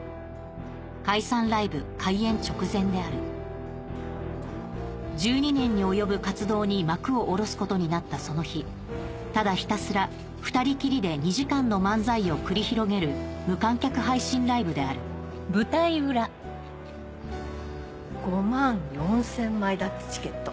解散ライブ開演直前である１２年に及ぶ活動に幕を下ろすことになったその日ただひたすら２人きりで２時間の漫才を繰り広げる無観客配信ライブである５万４０００枚だってチケット。